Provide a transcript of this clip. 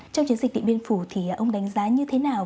trong chiến dịch điện biên phủ thì ông đánh giá như thế nào